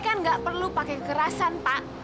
jangan perlu pakai kekerasan pak